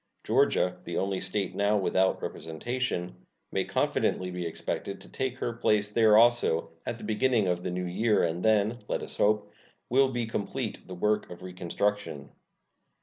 Georgia, the only State now without representation, may confidently be expected to take her place there also at the beginning of the new year, and then, let us hope, will be completed the work of reconstruction.